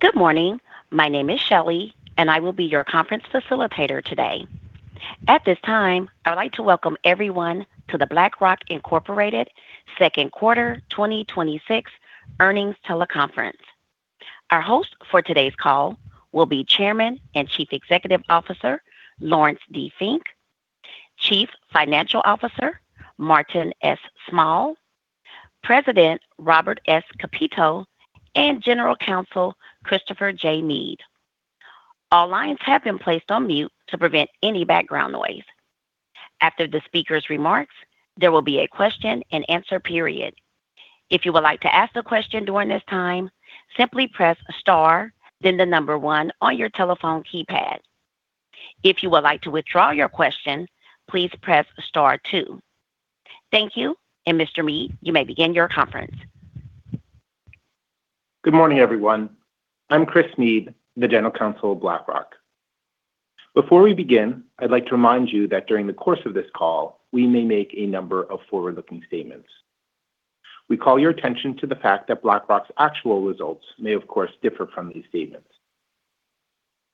Good morning. My name is Shelley, and I will be your conference facilitator today. At this time, I would like to welcome everyone to the BlackRock, Inc. second quarter 2026 earnings teleconference. Our host for today's call will be Chairman and Chief Executive Officer, Laurence D. Fink, Chief Financial Officer, Martin S. Small, President, Robert S. Kapito, and General Counsel, Christopher J. Meade. All lines have been placed on mute to prevent any background noise. After the speaker's remarks, there will be a question and answer period. If you would like to ask a question during this time, simply press star then the number one on your telephone keypad. If you would like to withdraw your question, please press star two. Thank you and Mr. Meade, you may begin your conference. Good morning, everyone. I'm Chris Meade, the General Counsel of BlackRock. Before we begin, I'd like to remind you that during the course of this call, we may make a number of forward-looking statements. We call your attention to the fact that BlackRock's actual results may, of course, differ from these statements.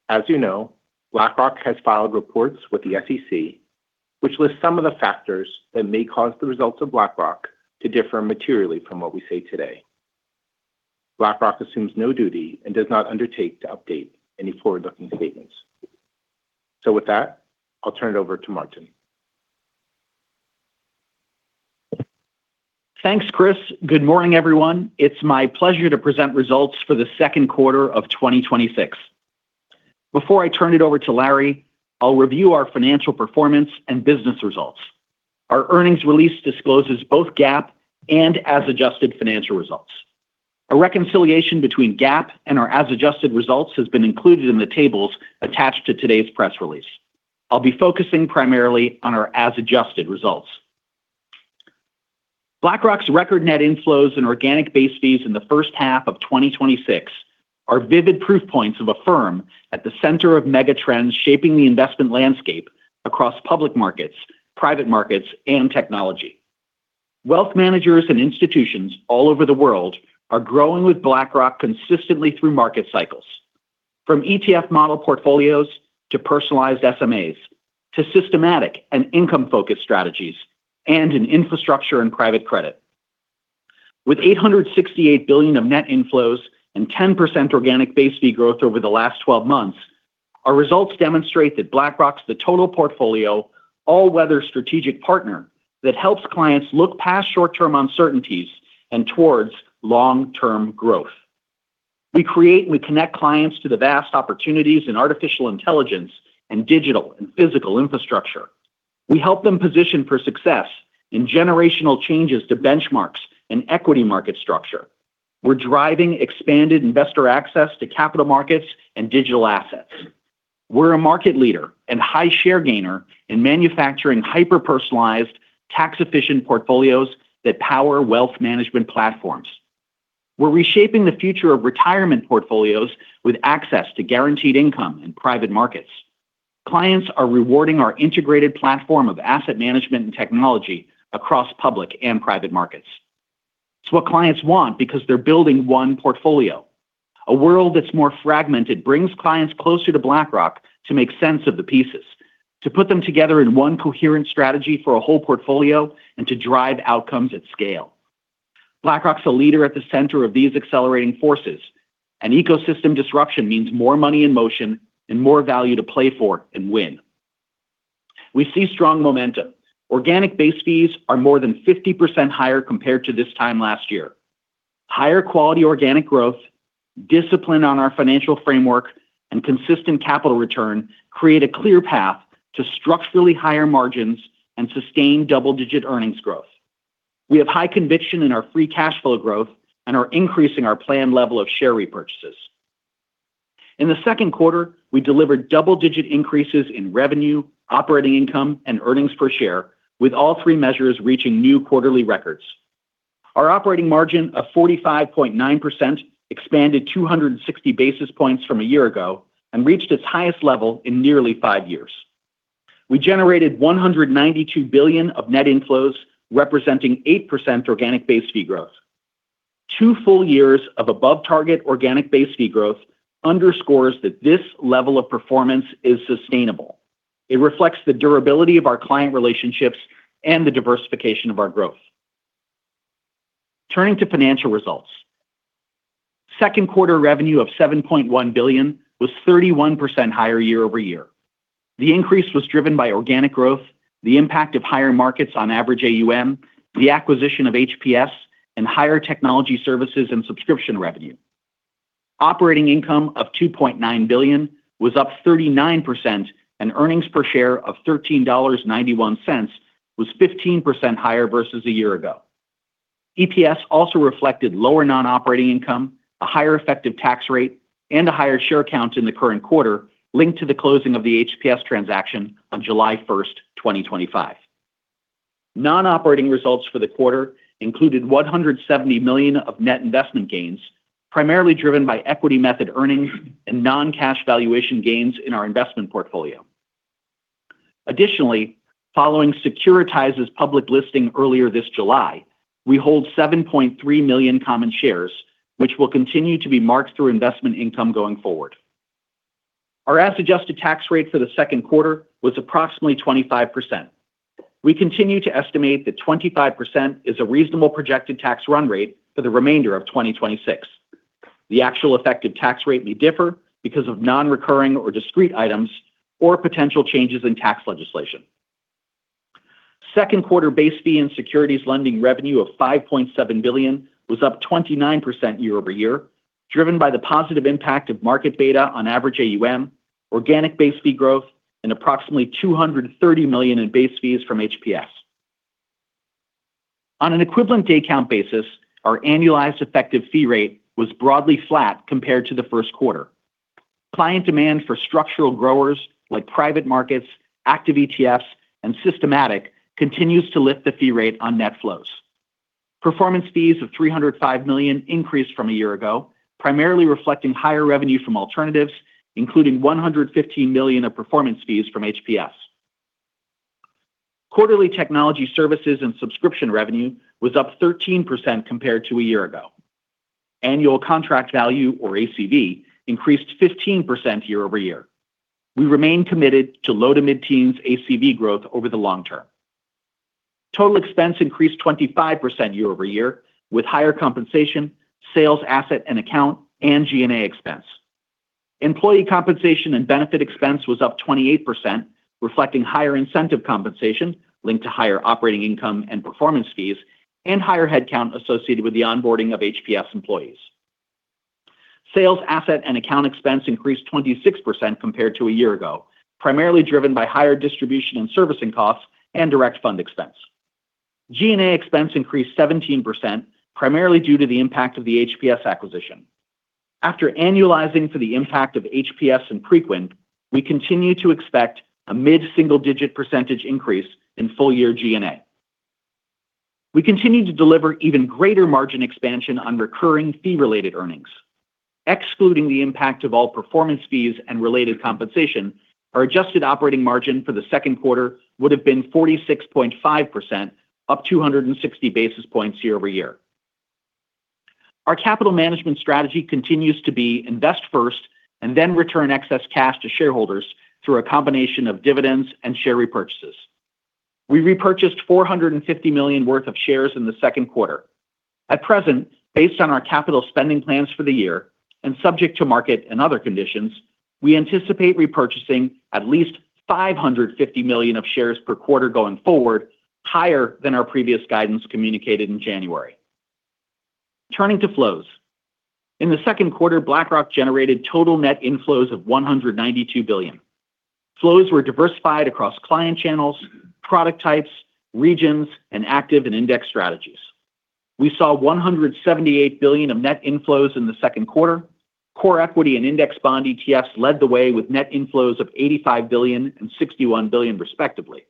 As you know, BlackRock has filed reports with the SEC, which lists some of the factors that may cause the results of BlackRock to differ materially from what we say today. BlackRock assumes no duty and does not undertake to update any forward-looking statements. With that, I'll turn it over to Martin. Thanks, Chris. Good morning, everyone. It's my pleasure to present results for the second quarter of 2026. Before I turn it over to Larry, I'll review our financial performance and business results. Our earnings release discloses both GAAP and as adjusted financial results. A reconciliation between GAAP and our as adjusted results has been included in the tables attached to today's press release. I'll be focusing primarily on our as adjusted results. BlackRock's record net inflows and organic base fees in the first half of 2026 are vivid proof points of a firm at the center of mega trends shaping the investment landscape across public markets, private markets, and technology. Wealth managers and institutions all over the world are growing with BlackRock consistently through market cycles, from ETF model portfolios to personalized SMAs, to systematic and income-focused strategies, and in infrastructure and private credit. With $868 billion of net inflows and 10% organic base fee growth over the last 12 months, our results demonstrate that BlackRock is the total portfolio all-weather strategic partner that helps clients look past short-term uncertainties and towards long-term growth. We create and we connect clients to the vast opportunities in artificial intelligence and digital and physical infrastructure. We help them position for success in generational changes to benchmarks and equity market structure. We're driving expanded investor access to capital markets and digital assets. We're a market leader and high share gainer in manufacturing hyper-personalized, tax-efficient portfolios that power wealth management platforms. We're reshaping the future of retirement portfolios with access to guaranteed income and private markets. Clients are rewarding our integrated platform of asset management and technology across public and private markets. It's what clients want because they're building one portfolio. A world that's more fragmented brings clients closer to BlackRock to make sense of the pieces, to put them together in one coherent strategy for a whole portfolio, and to drive outcomes at scale. BlackRock's a leader at the center of these accelerating forces. An ecosystem disruption means more money in motion and more value to play for and win. We see strong momentum. Organic base fees are more than 50% higher compared to this time last year. Higher quality organic growth, discipline on our financial framework, and consistent capital return create a clear path to structurally higher margins and sustained double-digit earnings growth. We have high conviction in our free cash flow growth and are increasing our planned level of share repurchases. In the second quarter, we delivered double-digit increases in revenue, operating income, and earnings per share, with all three measures reaching new quarterly records. Our operating margin of 45.9% expanded 260 basis points from a year ago and reached its highest level in nearly five years. We generated $192 billion of net inflows, representing 8% organic base fee growth. Two full years of above target organic base fee growth underscores that this level of performance is sustainable. It reflects the durability of our client relationships and the diversification of our growth. Turning to financial results. Second quarter revenue of $7.1 billion was 31% higher year-over-year. The increase was driven by organic growth, the impact of higher markets on average AUM, the acquisition of HPS, and higher technology services and subscription revenue. Operating income of $2.9 billion was up 39%, and earnings per share of $13.91 was 15% higher versus a year ago. EPS also reflected lower non-operating income, a higher effective tax rate, and a higher share count in the current quarter linked to the closing of the HPS transaction on July 1st, 2025. Non-operating results for the quarter included $170 million of net investment gains, primarily driven by equity method earnings and non-cash valuation gains in our investment portfolio. Additionally, following Securitize's public listing earlier this July, we hold 7.3 million common shares, which will continue to be marked through investment income going forward. Our as-adjusted tax rate for the second quarter was approximately 25%. We continue to estimate that 25% is a reasonable projected tax run rate for the remainder of 2026. The actual effective tax rate may differ because of non-recurring or discrete items or potential changes in tax legislation. Second quarter base fee and securities lending revenue of $5.7 billion was up 29% year-over-year, driven by the positive impact of market beta on average AUM, organic base fee growth, and approximately $230 million in base fees from HPS. On an equivalent day count basis, our annualized effective fee rate was broadly flat compared to the first quarter. Client demand for structural growers like private markets, active ETFs, and systematic continues to lift the fee rate on net flows. Performance fees of $305 million increased from a year ago, primarily reflecting higher revenue from alternatives, including $115 million of performance fees from HPS. Quarterly technology services and subscription revenue was up 13% compared to a year ago. Annual contract value, or ACV, increased 15% year-over-year. We remain committed to low to mid-teens ACV growth over the long term. Total expense increased 25% year-over-year, with higher compensation, sales, asset, and account, and G&A expense. Employee compensation and benefit expense was up 28%, reflecting higher incentive compensation linked to higher operating income and performance fees and higher headcount associated with the onboarding of HPS employees. Sales, asset, and account expense increased 26% compared to a year ago, primarily driven by higher distribution and servicing costs and direct fund expense. G&A expense increased 17%, primarily due to the impact of the HPS acquisition. After annualizing for the impact of HPS and Preqin, we continue to expect a mid-single-digit percentage increase in full-year G&A. We continue to deliver even greater margin expansion on recurring fee-related earnings. Excluding the impact of all performance fees and related compensation, our adjusted operating margin for the second quarter would have been 46.5%, up 260 basis points year-over-year. Our capital management strategy continues to be invest first and then return excess cash to shareholders through a combination of dividends and share repurchases. We repurchased $450 million worth of shares in the second quarter. At present, based on our capital spending plans for the year and subject to market and other conditions, we anticipate repurchasing at least $550 million of shares per quarter going forward, higher than our previous guidance communicated in January. Turning to flows. In the second quarter, BlackRock generated total net inflows of $192 billion. Flows were diversified across client channels, product types, regions, and active and index strategies. We saw $178 billion of net inflows in the second quarter. Core equity and index bond ETFs led the way with net inflows of $85 billion and $61 billion respectively.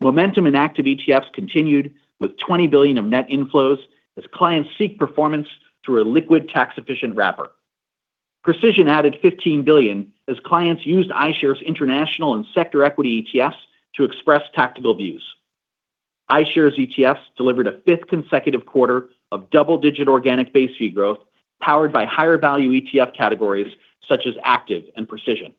Momentum in active ETFs continued with $20 billion of net inflows as clients seek performance through a liquid tax-efficient wrapper. Precision added $15 billion as clients used iShares international and sector equity ETFs to express tactical views. iShares ETFs delivered a fifth consecutive quarter of double-digit organic base fee growth, powered by higher value ETF categories such as active and precision.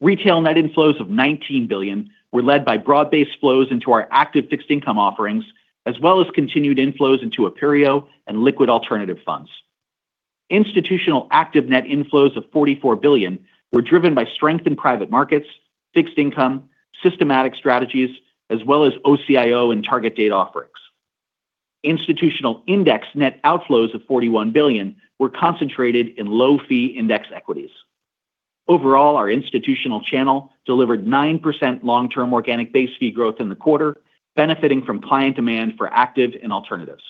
Retail net inflows of $19 billion were led by broad-based flows into our active fixed income offerings, as well as continued inflows into Aperio and liquid alternative funds. Institutional active net inflows of $44 billion were driven by strength in private markets, fixed income, systematic strategies, as well as OCIO and target date offerings. Institutional index net outflows of $41 billion were concentrated in low-fee index equities. Overall, our institutional channel delivered 9% long-term organic base fee growth in the quarter, benefiting from client demand for active and alternatives.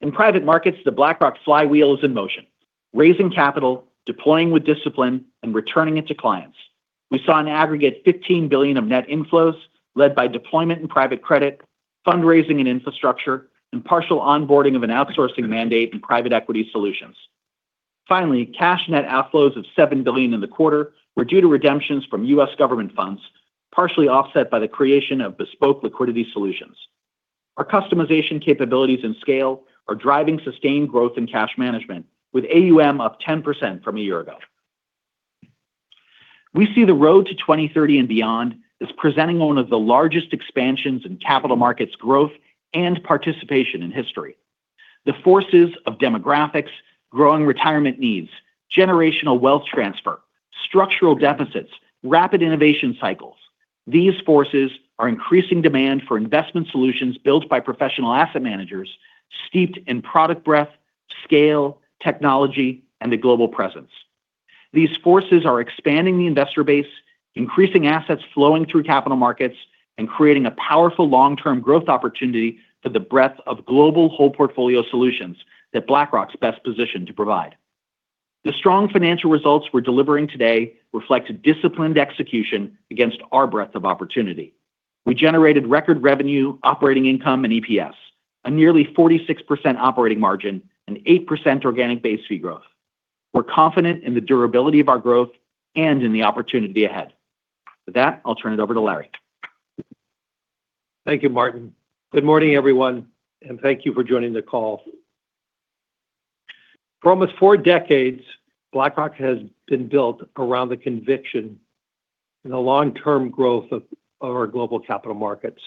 In private markets, the BlackRock flywheel is in motion, raising capital, deploying with discipline, and returning it to clients. We saw an aggregate $15 billion of net inflows led by deployment in private credit, fundraising in infrastructure, and partial onboarding of an outsourcing mandate in private equity solutions. Finally, cash net outflows of $7 billion in the quarter were due to redemptions from U.S. government funds, partially offset by the creation of bespoke liquidity solutions. Our customization capabilities and scale are driving sustained growth in cash management, with AUM up 10% from a year ago. We see the road to 2030 and beyond as presenting one of the largest expansions in capital markets growth and participation in history. The forces of demographics, growing retirement needs, generational wealth transfer, structural deficits, rapid innovation cycles. These forces are increasing demand for investment solutions built by professional asset managers steeped in product breadth, scale, technology, and a global presence. These forces are expanding the investor base, increasing assets flowing through capital markets, and creating a powerful long-term growth opportunity for the breadth of global whole portfolio solutions that BlackRock's best positioned to provide. The strong financial results we're delivering today reflect a disciplined execution against our breadth of opportunity. We generated record revenue, operating income, and EPS, a nearly 46% operating margin, and 8% organic base fee growth. We're confident in the durability of our growth and in the opportunity ahead. With that, I'll turn it over to Larry. Thank you, Martin. Good morning, everyone. Thank you for joining the call. For almost four decades, BlackRock has been built around the conviction in the long-term growth of our global capital markets.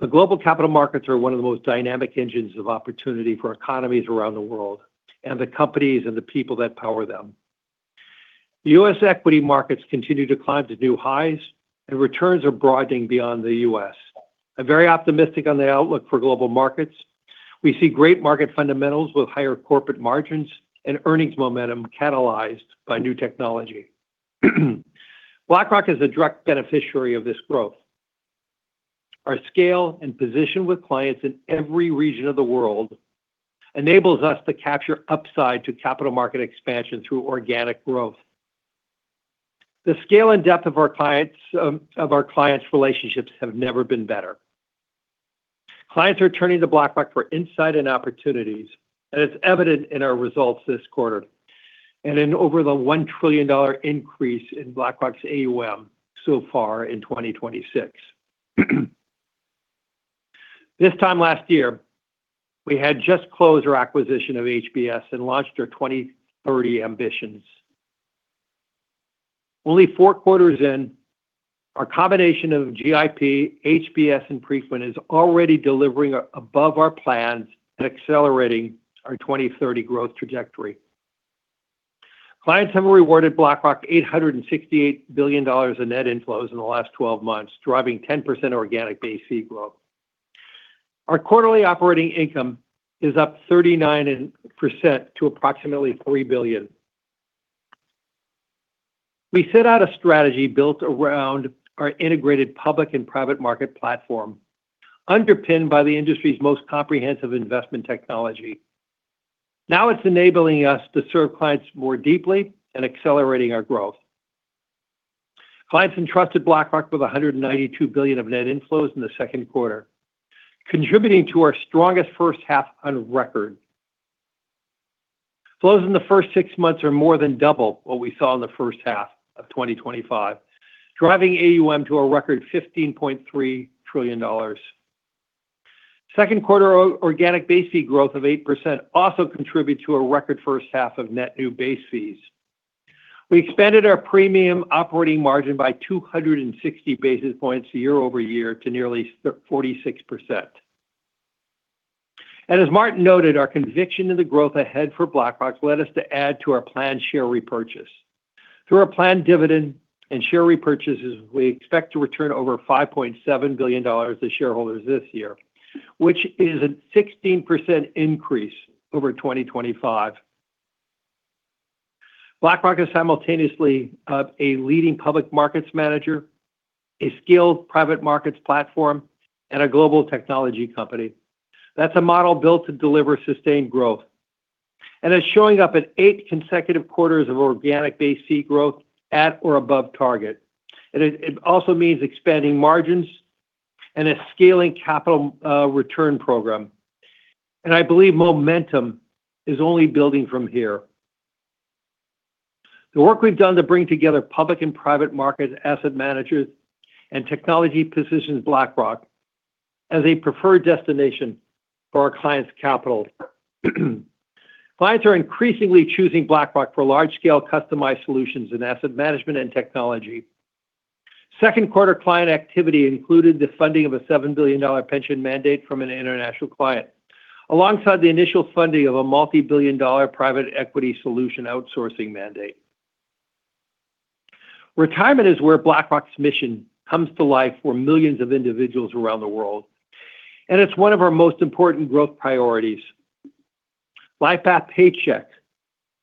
The global capital markets are one of the most dynamic engines of opportunity for economies around the world and the companies and the people that power them. The U.S. equity markets continue to climb to new highs. Returns are broadening beyond the U.S. I'm very optimistic on the outlook for global markets. We see great market fundamentals with higher corporate margins and earnings momentum catalyzed by new technology. BlackRock is a direct beneficiary of this growth. Our scale and position with clients in every region of the world enables us to capture upside to capital market expansion through organic growth. The scale and depth of our clients' relationships have never been better. Clients are turning to BlackRock for insight and opportunities, as evident in our results this quarter and in over the $1 trillion increase in BlackRock's AUM so far in 2026. This time last year, we had just closed our acquisition of HPS and launched our 2030 ambitions. Only four quarters in, our combination of GIP, HPS, and Preqin is already delivering above our plans and accelerating our 2030 growth trajectory. Clients have rewarded BlackRock $868 billion in net inflows in the last 12 months, driving 10% organic base fee growth. Our quarterly operating income is up 39% to approximately $3 billion. We set out a strategy built around our integrated public and private market platform, underpinned by the industry's most comprehensive investment technology. Now it's enabling us to serve clients more deeply and accelerating our growth. Clients entrusted BlackRock with $192 billion of net inflows in the second quarter, contributing to our strongest first half on record. Flows in the first six months are more than double what we saw in the first half of 2025, driving AUM to a record $15.3 trillion. Second quarter organic base fee growth of 8% also contributes to a record first half of net new base fees. We expanded our premium operating margin by 260 basis points year-over-year to nearly 46%. As Martin noted, our conviction in the growth ahead for BlackRock led us to add to our planned share repurchase. Through our planned dividend and share repurchases, we expect to return over $5.7 billion to shareholders this year, which is a 16% increase over 2025. BlackRock is simultaneously a leading public markets manager, a skilled private markets platform, and a global technology company. That's a model built to deliver sustained growth, it's showing up in eight consecutive quarters of organic base fee growth at or above target. It also means expanding margins and a scaling capital return program. I believe momentum is only building from here. The work we've done to bring together public and private market asset managers and technology positions BlackRock as a preferred destination for our clients' capital. Clients are increasingly choosing BlackRock for large-scale customized solutions in asset management and technology. Second quarter client activity included the funding of a $7 billion pension mandate from an international client, alongside the initial funding of a multi-billion dollar private equity solution outsourcing mandate. Retirement is where BlackRock's mission comes to life for millions of individuals around the world, and it's one of our most important growth priorities. LifePath Paycheck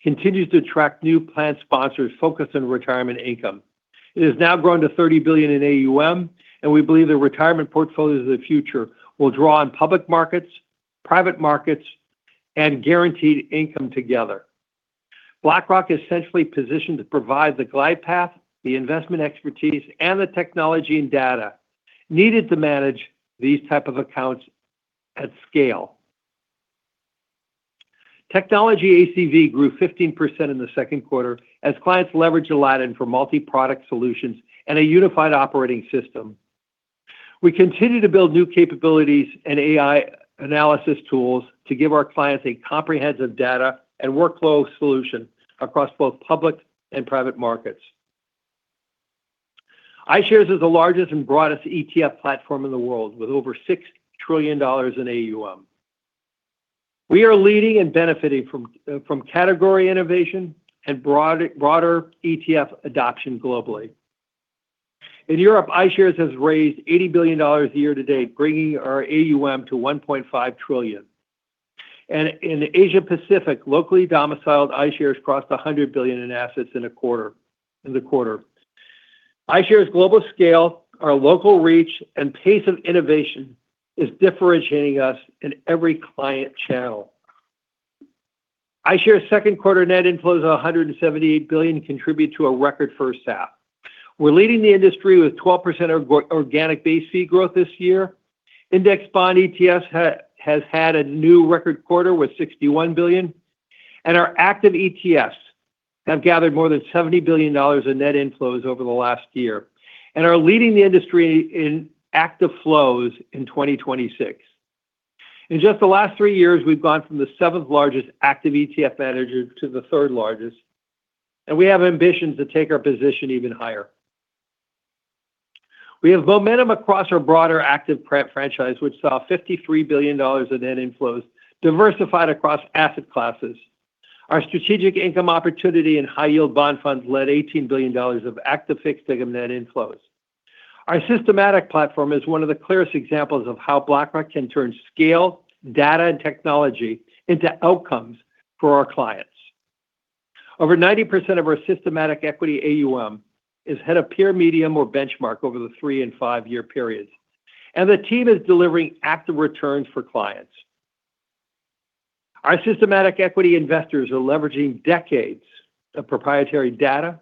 continues to attract new plan sponsors focused on retirement income. It has now grown to $30 billion in AUM, we believe the retirement portfolios of the future will draw on public markets, private markets, and guaranteed income together. BlackRock is centrally positioned to provide the LifePath, the investment expertise, and the technology and data needed to manage these type of accounts at scale. Technology ACV grew 15% in the second quarter as clients leveraged Aladdin for multi-product solutions and a unified operating system. We continue to build new capabilities and AI analysis tools to give our clients a comprehensive data and workflow solution across both public and private markets. iShares is the largest and broadest ETF platform in the world with over $6 trillion in AUM. We are leading and benefiting from category innovation and broader ETF adoption globally. In Europe, iShares has raised $80 billion year to date, bringing our AUM to $1.5 trillion. In Asia Pacific, locally domiciled iShares crossed $100 billion in assets in the quarter. iShares' global scale, our local reach, and pace of innovation is differentiating us in every client channel. iShares second quarter net inflows of $178 billion contribute to a record first half. We're leading the industry with 12% organic base fee growth this year. Index bond ETFs has had a new record quarter with $61 billion. Our active ETFs have gathered more than $70 billion in net inflows over the last year and are leading the industry in active flows in 2026. In just the last three years, we've gone from the seventh largest active ETF manager to the third largest, and we have ambitions to take our position even higher. We have momentum across our broader active prep franchise, which saw $53 billion in net inflows diversified across asset classes. Our strategic income opportunity and high yield bond funds led $18 billion of active fixed income net inflows. Our systematic platform is one of the clearest examples of how BlackRock can turn scale, data, and technology into outcomes for our clients. Over 90% of our systematic equity AUM is ahead of peer, medium, or benchmark over the three and five-year periods, the team is delivering active returns for clients. Our systematic equity investors are leveraging decades of proprietary data,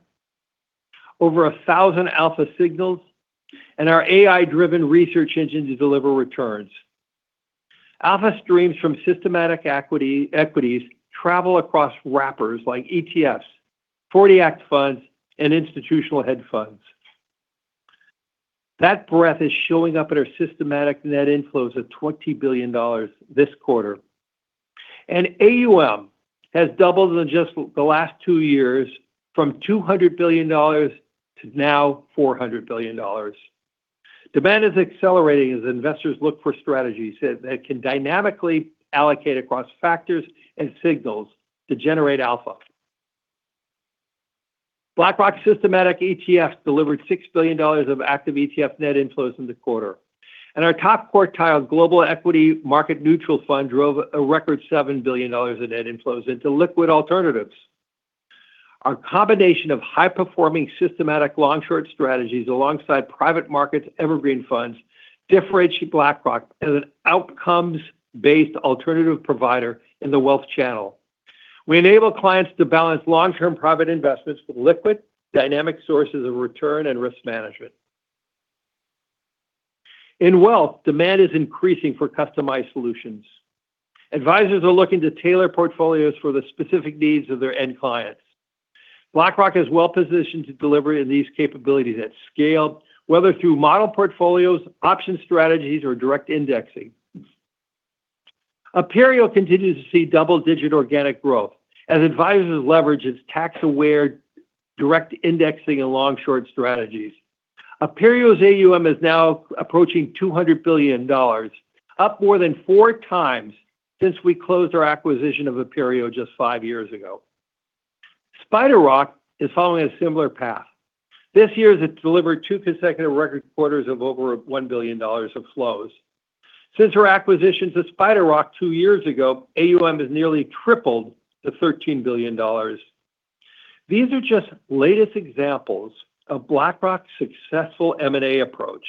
over 1,000 alpha signals, and our AI-driven research engine to deliver returns. Alpha streams from systematic equities travel across wrappers like ETFs, '40 Act funds, and institutional hedge funds. That breadth is showing up in our systematic net inflows of $20 billion this quarter. AUM has doubled in just the last two years from $200 billion to now $400 billion. Demand is accelerating as investors look for strategies that can dynamically allocate across factors and signals to generate alpha. BlackRock systematic ETFs delivered $6 billion of active ETF net inflows in the quarter. Our top quartile Global Equity Market Neutral Fund drove a record $7 billion in net inflows into liquid alternatives. Our combination of high-performing systematic long-short strategies alongside private markets evergreen funds differentiates BlackRock as an outcomes-based alternative provider in the wealth channel. We enable clients to balance long-term private investments with liquid, dynamic sources of return and risk management. In wealth, demand is increasing for customized solutions. Advisors are looking to tailor portfolios for the specific needs of their end clients. BlackRock is well positioned to deliver in these capabilities at scale, whether through model portfolios, option strategies, or direct indexing. Aperio continues to see double-digit organic growth as advisors leverage its tax-aware direct indexing and long-short strategies. Aperio's AUM is now approaching $200 billion, up more than four times since we closed our acquisition of Aperio just five years ago. SpiderRock is following a similar path. This year it's delivered two consecutive record quarters of over $1 billion of flows. Since our acquisition of SpiderRock two years ago, AUM has nearly tripled to $13 billion. These are just latest examples of BlackRock's successful M&A approach.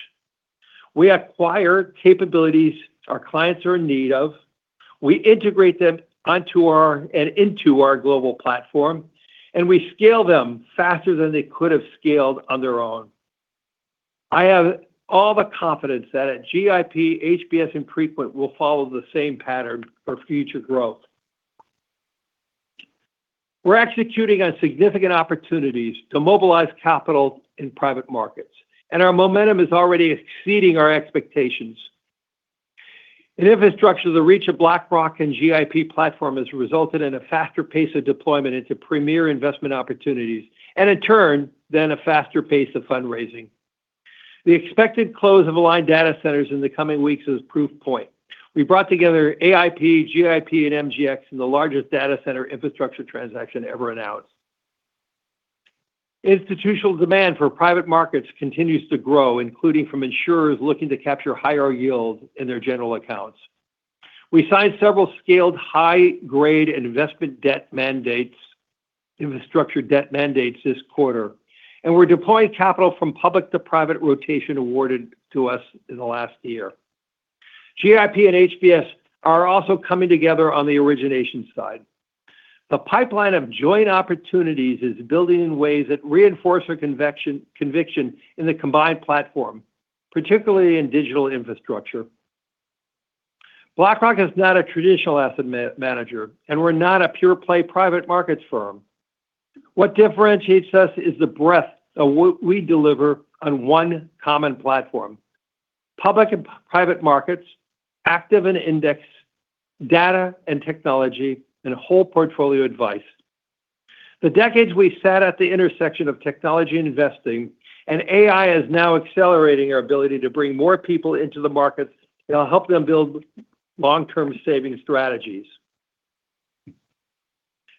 We acquire capabilities our clients are in need of, we integrate them onto and into our global platform, and we scale them faster than they could have scaled on their own. I have all the confidence that at GIP, HPS, and Preqin we'll follow the same pattern for future growth. We're executing on significant opportunities to mobilize capital in private markets, and our momentum is already exceeding our expectations. In infrastructure, the reach of BlackRock and GIP platform has resulted in a faster pace of deployment into premier investment opportunities, and in turn, then a faster pace of fundraising. The expected close of Aligned Data Centers in the coming weeks is proof point. We brought together AIP, GIP, and MGX in the largest data center infrastructure transaction ever announced. Institutional demand for private markets continues to grow, including from insurers looking to capture higher yields in their general accounts. We signed several scaled high-grade investment debt mandates, infrastructure debt mandates this quarter, and we're deploying capital from public to private rotation awarded to us in the last year. GIP and HPS are also coming together on the origination side. The pipeline of joint opportunities is building in ways that reinforce our conviction in the combined platform, particularly in digital infrastructure. BlackRock is not a traditional asset manager, and we're not a pure play private markets firm. What differentiates us is the breadth of what we deliver on one common platform, public and private markets, active and index, data and technology, and whole portfolio advice. The decades we sat at the intersection of technology and investing and AI is now accelerating our ability to bring more people into the markets that will help them build long-term saving strategies.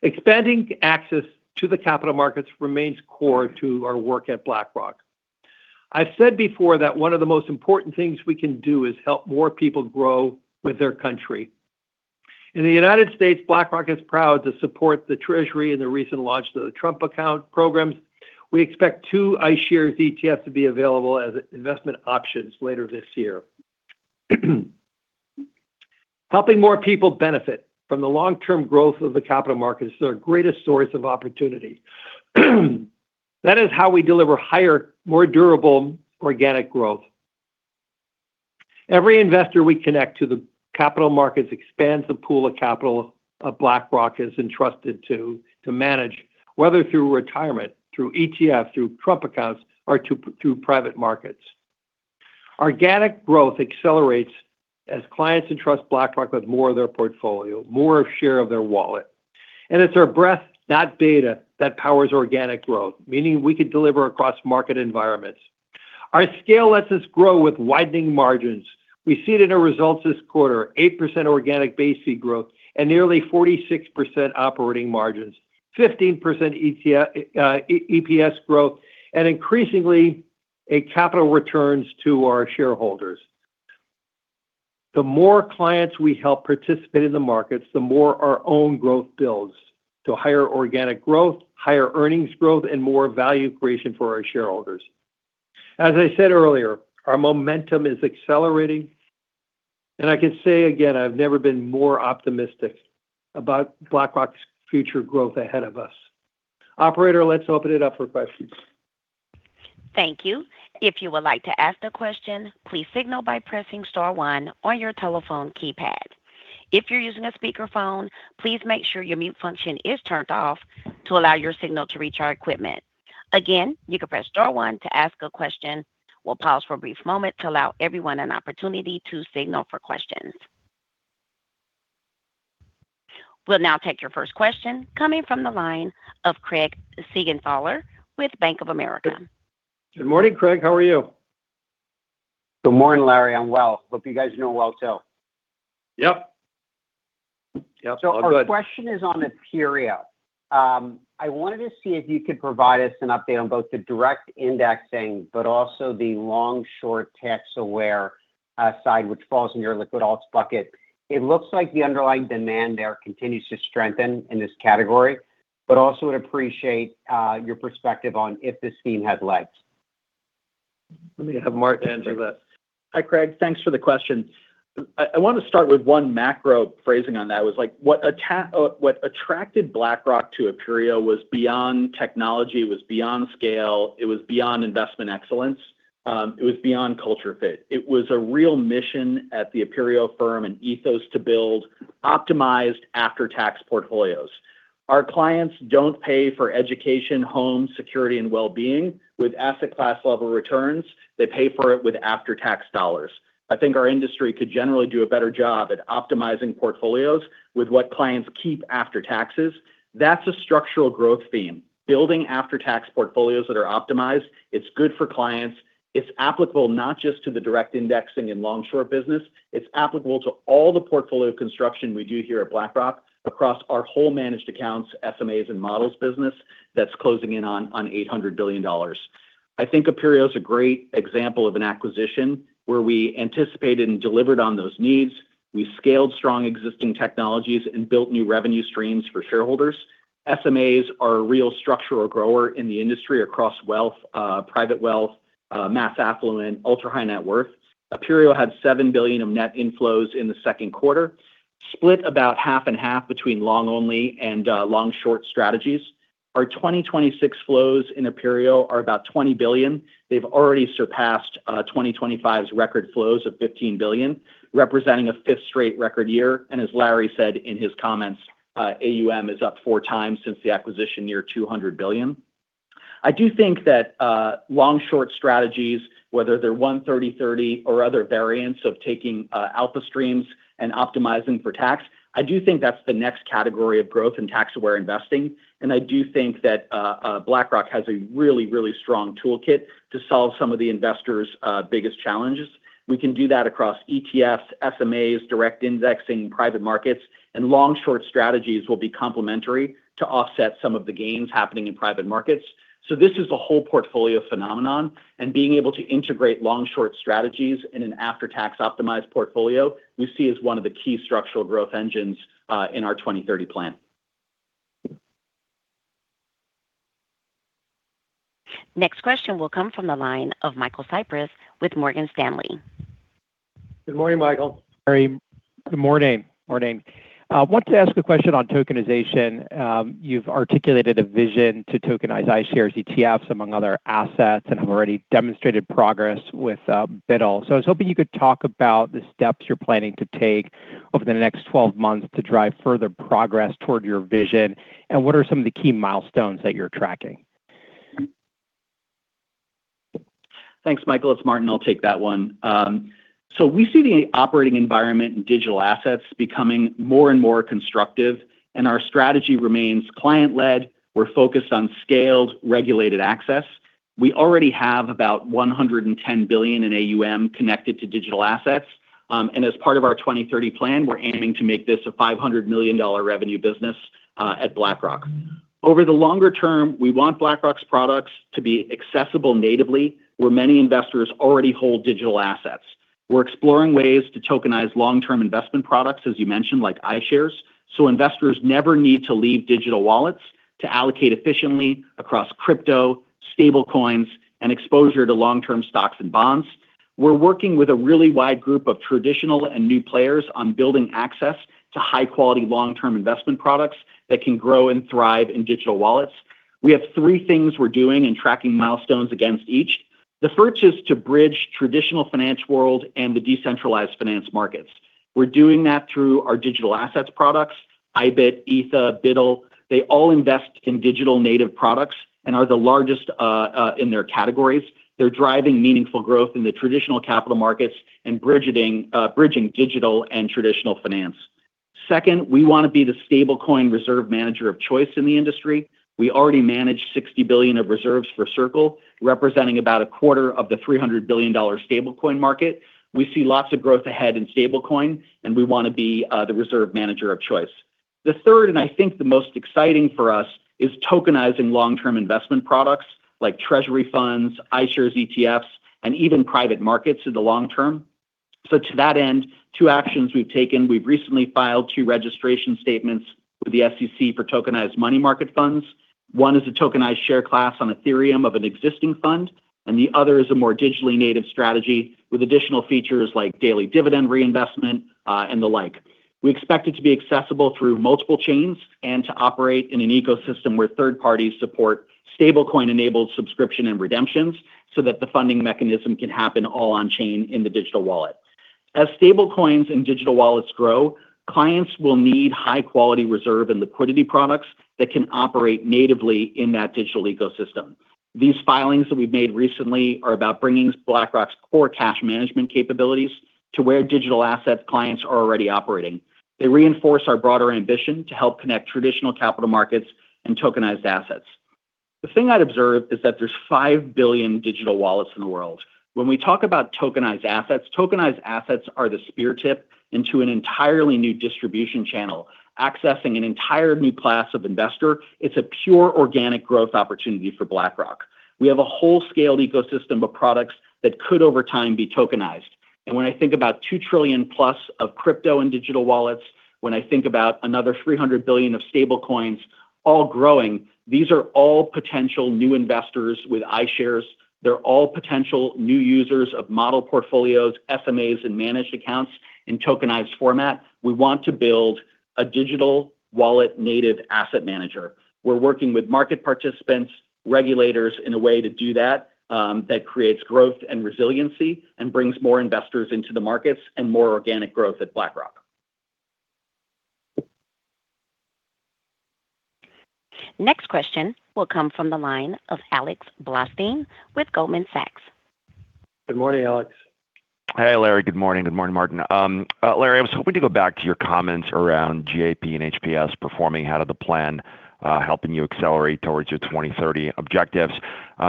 Expanding access to the capital markets remains core to our work at BlackRock. I've said before that one of the most important things we can do is help more people grow with their country. In the United States, BlackRock is proud to support the Treasury in the recent launch of the Trump Accounts programs. We expect two iShares ETFs to be available as investment options later this year. Helping more people benefit from the long-term growth of the capital markets is our greatest source of opportunity. That is how we deliver higher, more durable organic growth. Every investor we connect to the capital markets expands the pool of capital that BlackRock is entrusted to manage, whether through retirement, through ETFs, through Trump Accounts, or through private markets. Organic growth accelerates as clients entrust BlackRock with more of their portfolio, more of share of their wallet. It's our breadth, not data, that powers organic growth, meaning we could deliver across market environments. Our scale lets us grow with widening margins. We see it in our results this quarter, 8% organic base fee growth and nearly 46% operating margins, 15% EPS growth, and increasingly, capital returns to our shareholders. The more clients we help participate in the markets, the more our own growth builds to higher organic growth, higher earnings growth, and more value creation for our shareholders. As I said earlier, our momentum is accelerating. I can say again, I've never been more optimistic about BlackRock's future growth ahead of us. Operator, let's open it up for questions. Thank you. If you would like to ask a question, please signal by pressing star one on your telephone keypad. If you're using a speakerphone, please make sure your mute function is turned off to allow your signal to reach our equipment. Again, you can press star one to ask a question. We'll pause for a brief moment to allow everyone an opportunity to signal for questions. We'll now take your first question, coming from the line of Craig Siegenthaler with Bank of America. Good morning, Craig. How are you? Good morning, Larry. I'm well. Hope you guys are doing well, too. Yep. Yep. All good. Our question is on Aperio. I wanted to see if you could provide us an update on both the direct indexing, but also the long short tax-aware side, which falls in your liquid alts bucket. It looks like the underlying demand there continues to strengthen in this category, but also would appreciate your perspective on if this theme has legs. Let me have Martin answer that. Hi, Craig. Thanks for the question. I want to start with one macro phrasing on that was, what attracted BlackRock to Aperio was beyond technology, it was beyond scale, it was beyond investment excellence. It was beyond culture fit. It was a real mission at the Aperio firm and ethos to build optimized after-tax portfolios. Our clients don't pay for education, home, security, and wellbeing with asset class level returns. They pay for it with after-tax dollars. I think our industry could generally do a better job at optimizing portfolios with what clients keep after taxes. That's a structural growth theme. Building after-tax portfolios that are optimized, it's good for clients. It's applicable not just to the direct indexing and long short business. It's applicable to all the portfolio construction we do here at BlackRock across our whole managed accounts, SMAs, and models business that's closing in on $800 billion. I think Aperio is a great example of an acquisition where we anticipated and delivered on those needs. We scaled strong existing technologies and built new revenue streams for shareholders. SMAs are a real structural grower in the industry across wealth, private wealth, mass affluent, ultra-high net worth. Aperio had $7 billion of net inflows in the second quarter, split about half and half between long only and long short strategies. Our 2026 flows in Aperio are about $20 billion. They've already surpassed 2025's record flows of $15 billion, representing a fifth straight record year. As Larry said in his comments, AUM is up four times since the acquisition, near $200 billion. I do think that long short strategies, whether they're 130-30 or other variants of taking alpha streams and optimizing for tax, I do think that's the next category of growth in tax-aware investing, I do think that BlackRock has a really, really strong toolkit to solve some of the investors' biggest challenges. We can do that across ETFs, SMAs, direct indexing, private markets, and long short strategies will be complementary to offset some of the gains happening in private markets. This is a whole portfolio phenomenon, being able to integrate long short strategies in an after-tax optimized portfolio, we see as one of the key structural growth engines in our 2030 plan. Next question will come from the line of Michael Cyprys with Morgan Stanley. Good morning, Michael. Larry, good morning. Morning. I want to ask a question on tokenization. You've articulated a vision to tokenize iShares ETFs, among other assets, and have already demonstrated progress with BUIDL. I was hoping you could talk about the steps you're planning to take over the next 12 months to drive further progress toward your vision, what are some of the key milestones that you're tracking? Thanks, Michael. It's Martin. I'll take that one. We see the operating environment in digital assets becoming more and more constructive, our strategy remains client led. We're focused on scales regulated access. We already have about $110 billion in AUM connected to digital assets. As part of our 2030 plan, we're aiming to make this a $500 million revenue business at BlackRock. Over the longer term, we want BlackRock's products to be accessible natively, where many investors already hold digital assets. We're exploring ways to tokenize long-term investment products, as you mentioned, like iShares. Investors never need to leave digital wallets to allocate efficiently across crypto, stablecoins, and exposure to long-term stocks and bonds. We're working with a really wide group of traditional and new players on building access to high quality long-term investment products that can grow and thrive in digital wallets. We have three things we're doing and tracking milestones against each. The first is to bridge traditional finance world and the decentralized finance markets. We're doing that through our digital assets products, IBIT, ETHA, BUIDL. They all invest in digital native products and are the largest in their categories. They're driving meaningful growth in the traditional capital markets and bridging digital and traditional finance. Second, we want to be the stablecoin reserve manager of choice in the industry. We already manage $60 billion of reserves for Circle, representing about a 1/4 of the $300 billion stablecoin market. We see lots of growth ahead in stablecoin, and we want to be the reserve manager of choice. The third, and I think the most exciting for us, is tokenizing long-term investment products like Treasury funds, iShares ETFs, and even private markets in the long term. To that end, two actions we've taken. We've recently filed two registration statements with the SEC for tokenized money market funds. One is a tokenized share class on Ethereum of an existing fund, and the other is a more digitally native strategy with additional features like daily dividend reinvestment and the like. We expect it to be accessible through multiple chains and to operate in an ecosystem where third parties support stablecoin-enabled subscription and redemptions so that the funding mechanism can happen all on-chain in the digital wallet. As stablecoins and digital wallets grow, clients will need high quality reserve and liquidity products that can operate natively in that digital ecosystem. These filings that we've made recently are about bringing BlackRock's core cash management capabilities to where digital assets clients are already operating. They reinforce our broader ambition to help connect traditional capital markets and tokenized assets. The thing I'd observe is that there's 5 billion digital wallets in the world. When we talk about tokenized assets, tokenized assets are the spear tip into an entirely new distribution channel. Accessing an entire new class of investor, it's a pure organic growth opportunity for BlackRock. We have a whole scaled ecosystem of products that could, over time, be tokenized. When I think about $2+ trillion of crypto and digital wallets, when I think about another $300 billion of stablecoins all growing, these are all potential new investors with iShares. They're all potential new users of model portfolios, SMAs, and managed accounts in tokenized format. We want to build a digital wallet native asset manager. We're working with market participants, regulators in a way to do that creates growth and resiliency and brings more investors into the markets and more organic growth at BlackRock. Next question will come from the line of Alex Blostein with Goldman Sachs. Good morning, Alex. Hi Larry, good morning. Good morning, Martin. Larry, I was hoping to go back to your comments around GIP and HPS performing ahead of the plan, helping you accelerate towards your 2030 objectives,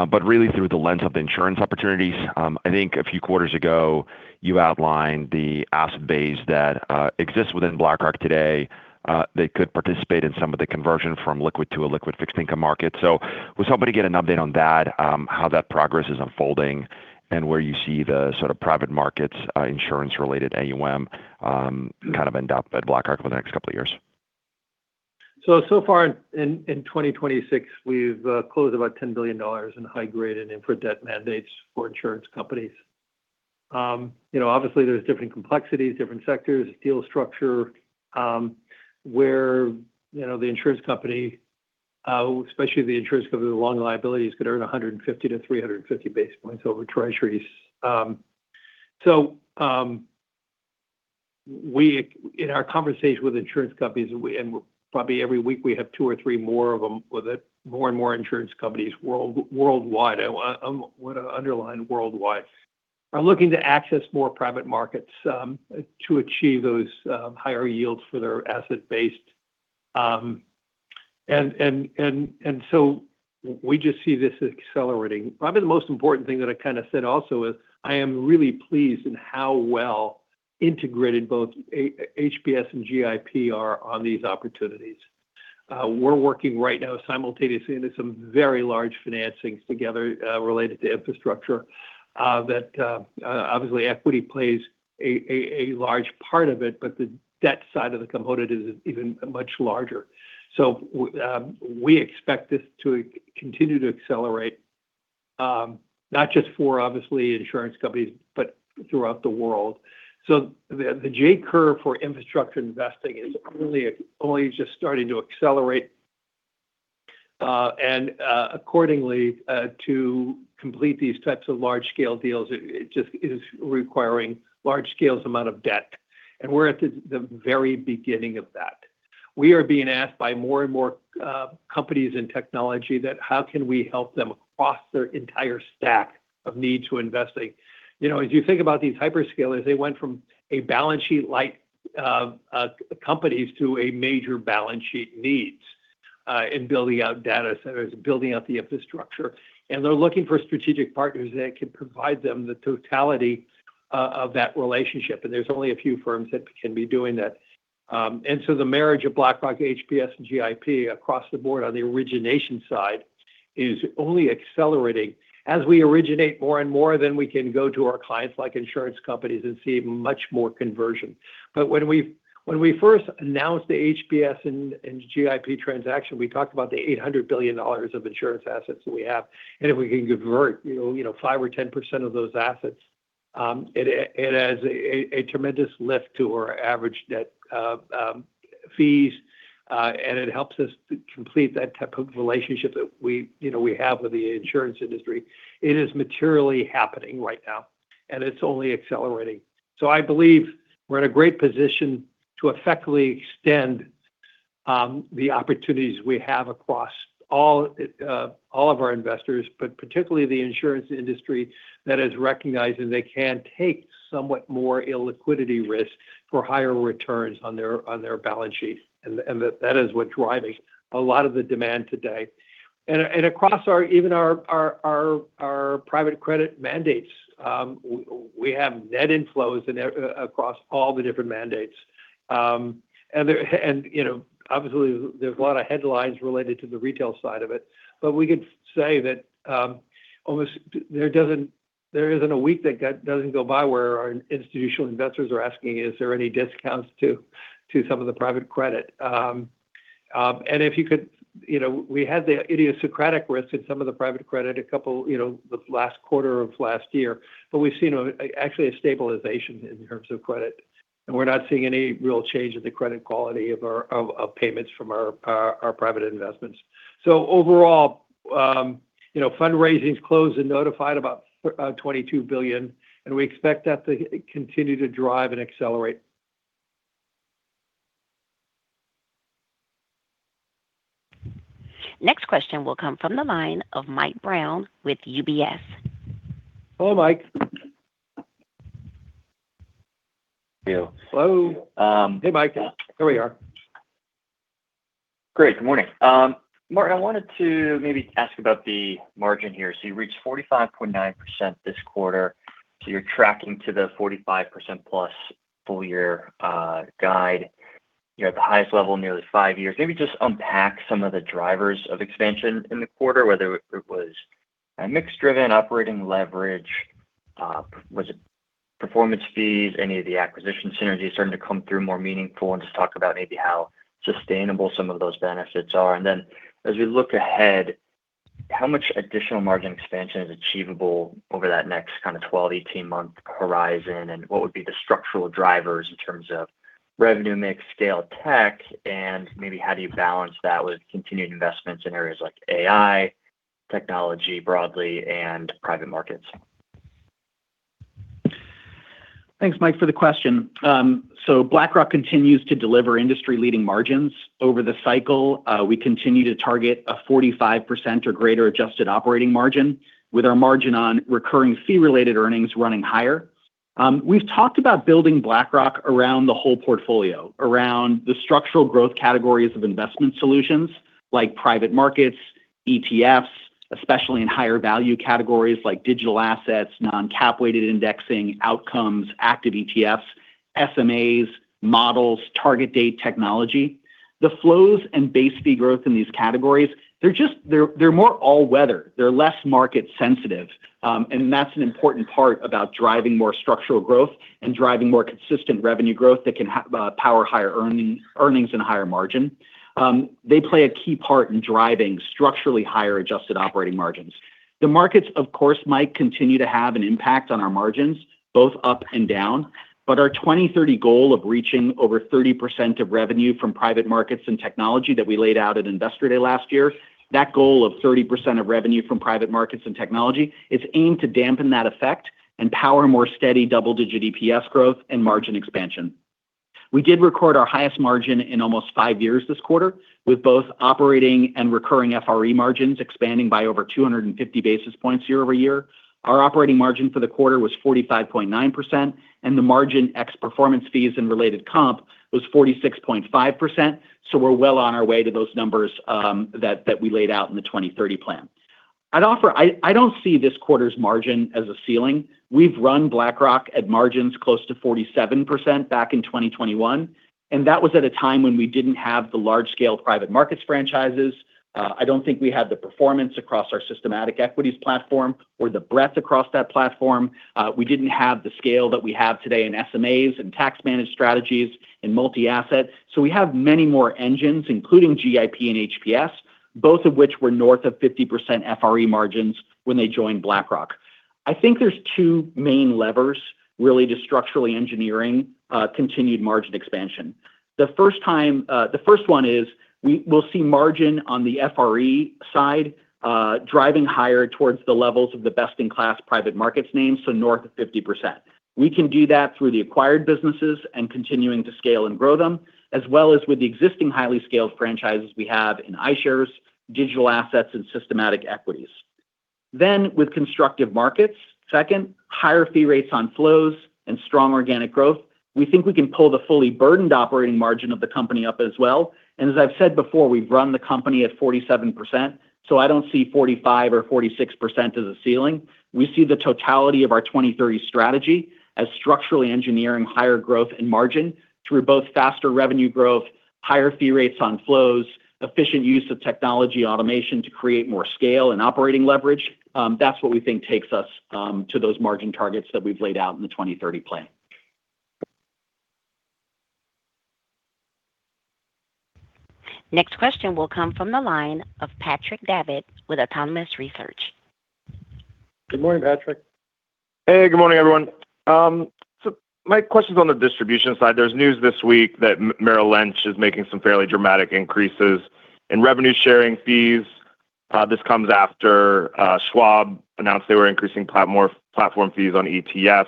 but really through the lens of the insurance opportunities. I think a few quarters ago, you outlined the asset base that exists within BlackRock today that could participate in some of the conversion from liquid to illiquid fixed income market. Was hoping to get an update on that, how that progress is unfolding, and where you see the private markets insurance related AUM end up at BlackRock over the next couple of years. So far in 2026, we've closed about $10 billion in high-grade and infra debt mandates for insurance companies. Obviously, there's different complexities, different sectors, deal structure, where the insurance company, especially the insurance company with long liabilities, could earn 150-350 basis points over Treasuries. In our conversations with insurance companies, and probably every week we have two or three more of them, with more and more insurance companies worldwide, I want to underline worldwide, are looking to access more private markets to achieve those higher yields for their asset base. We just see this accelerating. Probably the most important thing that I said also is I am really pleased in how well integrated both HPS and GIP are on these opportunities. We're working right now simultaneously into some very large financings together related to infrastructure that obviously equity plays a large part of it, but the debt side of the component is even much larger. We expect this to continue to accelerate, not just for obviously insurance companies, but throughout the world. The J curve for infrastructure investing is really only just starting to accelerate. Accordingly, to complete these types of large scale deals, it just is requiring large scales amount of debt. We're at the very beginning of that. We are being asked by more and more companies in technology that how can we help them across their entire stack of need to investing. As you think about these hyperscalers, they went from balance sheet-light companies to major balance sheet needs in building out data centers, building out the infrastructure. They're looking for strategic partners that can provide them the totality of that relationship. There's only a few firms that can be doing that. The marriage of BlackRock, HPS, and GIP across the board on the origination side is only accelerating. As we originate more and more, then we can go to our clients, like insurance companies, and see much more conversion. When we first announced the HPS and GIP transaction, we talked about the $800 billion of insurance assets that we have. If we can convert 5% or 10% of those assets, it adds a tremendous lift to our average net fees. It helps us to complete that type of relationship that we have with the insurance industry. It is materially happening right now. It's only accelerating. I believe we're in a great position to effectively extend the opportunities we have across all of our investors, but particularly the insurance industry that is recognizing they can take somewhat more illiquidity risk for higher returns on their balance sheet. That is what's driving a lot of the demand today. Across even our private credit mandates, we have net inflows across all the different mandates. Obviously there's a lot of headlines related to the retail side of it. We could say that there isn't a week that doesn't go by where our institutional investors are asking, "Is there any discounts to some of the private credit?" We had the idiosyncratic risk in some of the private credit the last quarter of last year. We've seen actually a stabilization in terms of credit. We're not seeing any real change in the credit quality of payments from our private investments. Overall, fundraising is closed and notified about $22 billion. We expect that to continue to drive and accelerate. Next question will come from the line of Mike Brown with UBS. Hello, Mike. Yeah. Hello. Hey, Mike. Here we are. Great. Good morning. Martin, I wanted to maybe ask about the margin here. You reached 45.9% this quarter, so you're tracking to the 45%+ full year guide. You're at the highest level in nearly five years. Maybe just unpack some of the drivers of expansion in the quarter, whether it was a mix-driven operating leverage. Was it performance fees, any of the acquisition synergies starting to come through more meaningful, and just talk about maybe how sustainable some of those benefits are. As we look ahead, how much additional margin expansion is achievable over that next kind of 12, 18 month horizon, and what would be the structural drivers in terms of revenue mix, scale, tech, and maybe how do you balance that with continued investments in areas like AI, technology broadly, and private markets? Thanks, Mike, for the question. BlackRock continues to deliver industry-leading margins over the cycle. We continue to target a 45% or greater adjusted operating margin with our margin on recurring fee-related earnings running higher. We've talked about building BlackRock around the whole portfolio, around the structural growth categories of investment solutions like private markets, ETFs, especially in higher value categories like digital assets, non-cap weighted indexing, outcomes, active ETFs, SMAs, models, target date technology. The flows and base fee growth in these categories, they're more all-weather. They're less market sensitive. That's an important part about driving more structural growth and driving more consistent revenue growth that can power higher earnings and higher margin. They play a key part in driving structurally higher adjusted operating margins. The markets, of course, might continue to have an impact on our margins, both up and down, but our 2030 goal of reaching over 30% of revenue from private markets and technology that we laid out at Investor Day last year, that goal of 30% of revenue from private markets and technology is aimed to dampen that effect and power more steady double-digit EPS growth and margin expansion. We did record our highest margin in almost five years this quarter, with both operating and recurring FRE margins expanding by over 250 basis points year-over-year. Our operating margin for the quarter was 45.9%, and the margin ex performance fees and related comp was 46.5%, so we're well on our way to those numbers that we laid out in the 2030 plan. I don't see this quarter's margin as a ceiling. We've run BlackRock at margins close to 47% back in 2021, and that was at a time when we didn't have the large-scale private markets franchises. I don't think we had the performance across our systematic equities platform or the breadth across that platform. We didn't have the scale that we have today in SMAs and tax-managed strategies in multi-asset. We have many more engines, including GIP and HPS, both of which were north of 50% FRE margins when they joined BlackRock. I think there's two main levers really to structurally engineering continued margin expansion. The first one is we'll see margin on the FRE side driving higher towards the levels of the best-in-class private markets names, north of 50%. We can do that through the acquired businesses and continuing to scale and grow them, as well as with the existing highly scaled franchises we have in iShares, digital assets, and systematic equities. Then, with constructive markets, second, higher fee rates on flows and strong organic growth, we think we can pull the fully burdened operating margin of the company up as well. As I've said before, we've run the company at 47%, I don't see 45% or 46% as a ceiling. We see the totality of our 2030 strategy as structurally engineering higher growth and margin through both faster revenue growth, higher fee rates on flows, efficient use of technology automation to create more scale and operating leverage. That's what we think takes us to those margin targets that we've laid out in the 2030 plan. Next question will come from the line of Patrick Davitt with Autonomous Research. Good morning, Patrick. Hey, good morning, everyone. My question's on the distribution side. There's news this week that Merrill Lynch is making some fairly dramatic increases in revenue-sharing fees. This comes after Schwab announced they were increasing platform fees on ETFs.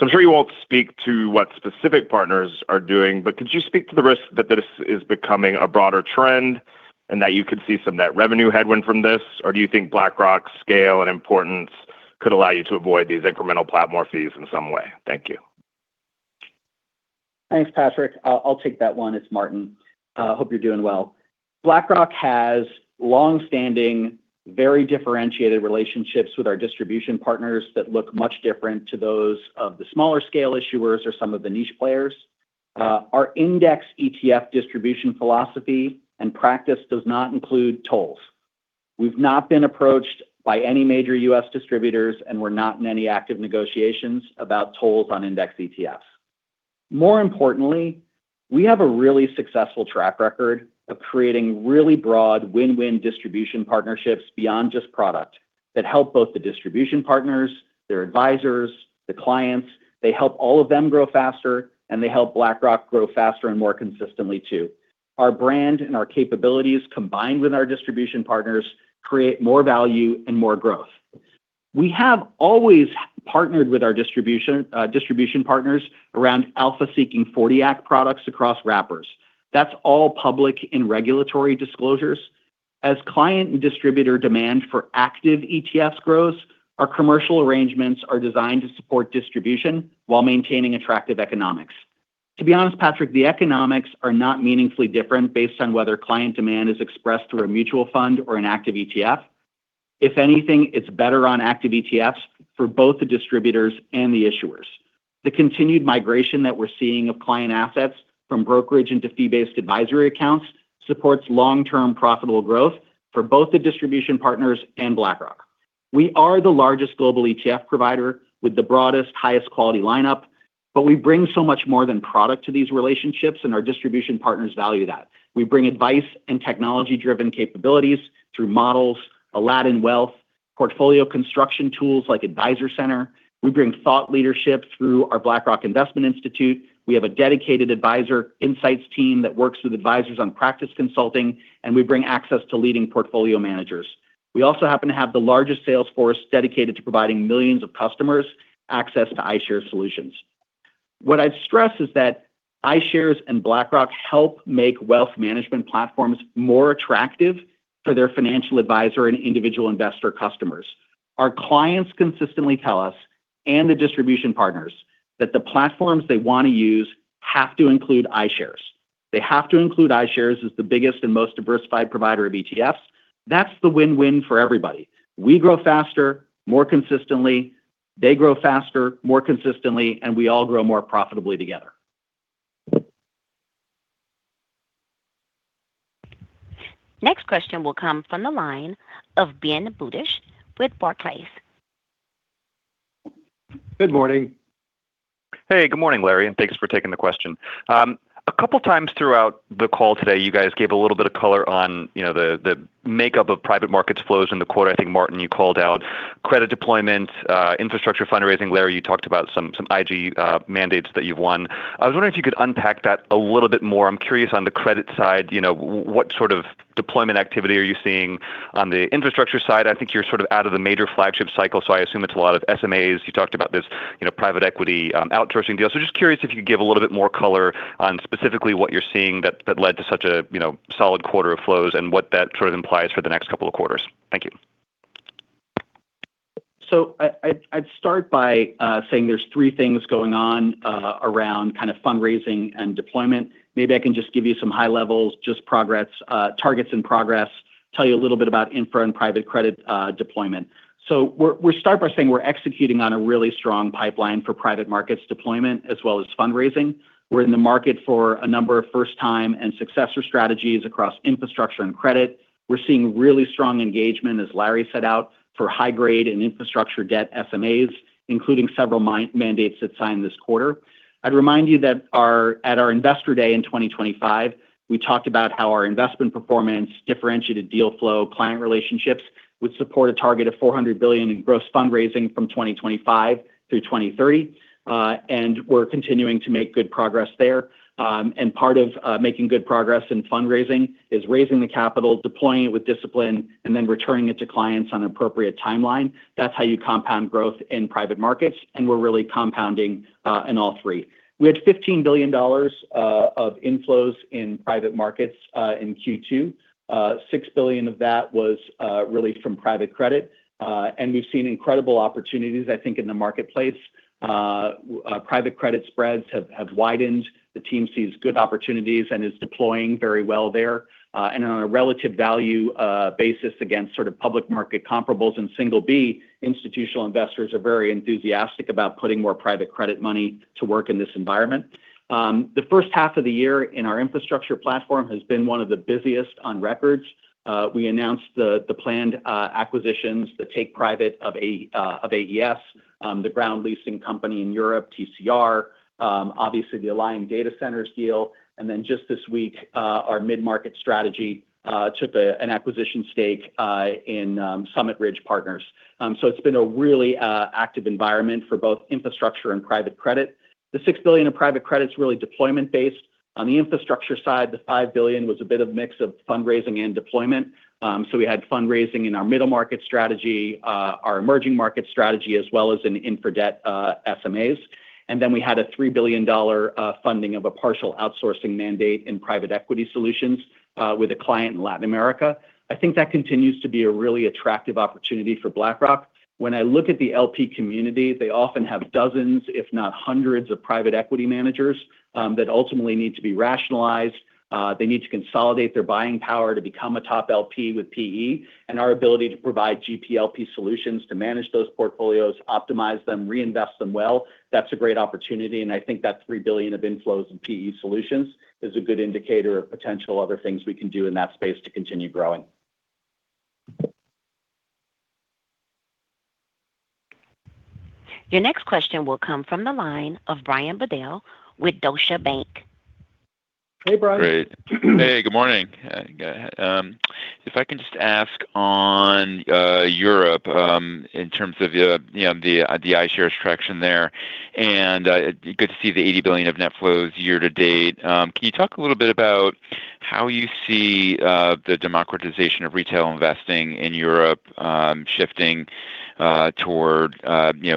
I'm sure you won't speak to what specific partners are doing, but could you speak to the risk that this is becoming a broader trend, and that you could see some net revenue headwind from this? Do you think BlackRock's scale and importance could allow you to avoid these incremental platform fees in some way? Thank you. Thanks, Patrick. I'll take that one. It's Martin. Hope you're doing well. BlackRock has longstanding, very differentiated relationships with our distribution partners that look much different to those of the smaller-scale issuers or some of the niche players. Our index ETF distribution philosophy and practice does not include tolls. We've not been approached by any major U.S. distributors, and we're not in any active negotiations about tolls on index ETFs. More importantly, we have a really successful track record of creating really broad win-win distribution partnerships beyond just product that help both the distribution partners, their advisors, the clients. They help all of them grow faster, and they help BlackRock grow faster and more consistently, too. Our brand and our capabilities, combined with our distribution partners, create more value and more growth. We have always partnered with our distribution partners around alpha-seeking '40 Act products across wrappers. That's all public in regulatory disclosures. As client and distributor demand for active ETFs grows, our commercial arrangements are designed to support distribution while maintaining attractive economics. To be honest, Patrick, the economics are not meaningfully different based on whether client demand is expressed through a mutual fund or an active ETF. If anything, it's better on active ETFs for both the distributors and the issuers. The continued migration that we're seeing of client assets from brokerage into fee-based advisory accounts supports long-term profitable growth for both the distribution partners and BlackRock. We are the largest global ETF provider with the broadest, highest quality lineup, but we bring so much more than product to these relationships, and our distribution partners value that. We bring advice and technology-driven capabilities through models, Aladdin Wealth, portfolio construction tools like Advisor Center. We bring thought leadership through our BlackRock Investment Institute. We have a dedicated advisor insights team that works with advisors on practice consulting, and we bring access to leading portfolio managers. We also happen to have the largest sales force dedicated to providing millions of customers access to iShares solutions. What I'd stress is that iShares and BlackRock help make wealth management platforms more attractive for their financial advisor and individual investor customers. Our clients consistently tell us, and the distribution partners, that the platforms they want to use have to include iShares. They have to include iShares as the biggest and most diversified provider of ETFs. That's the win-win for everybody. We grow faster, more consistently, they grow faster, more consistently, and we all grow more profitably together. Next question will come from the line of Ben Budish with Barclays. Good morning. Hey, good morning, Larry, and thanks for taking the question. A couple times throughout the call today, you guys gave a little bit of color on the makeup of private markets flows in the quarter. I think, Martin, you called out credit deployment, infrastructure fundraising. Larry, you talked about some IG mandates that you've won. I was wondering if you could unpack that a little bit more. I'm curious on the credit side, what sort of deployment activity are you seeing on the infrastructure side? I think you're sort of out of the major flagship cycle, I assume it's a lot of SMAs. You talked about this private equity outsourcing deal. Just curious if you could give a little bit more color on specifically what you're seeing that led to such a solid quarter of flows, and what that sort of implies for the next couple of quarters. Thank you. I'd start by saying there's three things going on around kind of fundraising and deployment. Maybe I can just give you some high levels, just targets and progress, tell you a little bit about infra and private credit deployment. We'll start by saying we're executing on a really strong pipeline for private markets deployment as well as fundraising. We're in the market for a number of first-time and successor strategies across infrastructure and credit. We're seeing really strong engagement, as Larry set out, for high-grade and infrastructure debt SMAs, including several mandates that signed this quarter. I'd remind you that at our Investor Day in 2025, we talked about how our investment performance, differentiated deal flow, client relationships, would support a target of $400 billion in gross fundraising from 2025 through 2030. We're continuing to make good progress there. Part of making good progress in fundraising is raising the capital, deploying it with discipline, and then returning it to clients on an appropriate timeline. That's how you compound growth in private markets, and we're really compounding in all three. We had $15 billion of inflows in private markets in Q2. $6 billion of that was really from private credit. We've seen incredible opportunities, I think, in the marketplace. Private credit spreads have widened. The team sees good opportunities and is deploying very well there. On a relative value basis against sort of public market comparables in single B, institutional investors are very enthusiastic about putting more private credit money to work in this environment. The first half of the year in our infrastructure platform has been one of the busiest on records. We announced the planned acquisitions, the take private of the AES, the ground leasing company in Europe, TCR, obviously the Aligned Data Centers deal. Just this week, our mid-market strategy took an acquisition stake in Summit Ridge Partners. It's been a really active environment for both infrastructure and private credit. The $6 billion of private credit is really deployment-based. On the infrastructure side, the $5 billion was a bit of mix of fundraising and deployment. We had fundraising in our middle market strategy, our emerging market strategy, as well as in infradebt SMAs. We had a $3 billion funding of a partial outsourcing mandate in private equity solutions with a client in Latin America. That continues to be a really attractive opportunity for BlackRock. When I look at the LP community, they often have dozens, if not hundreds, of private equity managers that ultimately need to be rationalized. They need to consolidate their buying power to become a top LP with PE, and our ability to provide GP/LP solutions to manage those portfolios, optimize them, reinvest them well, that's a great opportunity. I think that $3 billion of inflows in PE solutions is a good indicator of potential other things we can do in that space to continue growing. Your next question will come from the line of Brian Bedell with Deutsche Bank. Hey, Brian. Great. Hey, good morning. If I can just ask on Europe, in terms of the iShares traction there, and good to see the $80 billion of net flows year to date. Can you talk a little bit about how you see the democratization of retail investing in Europe shifting toward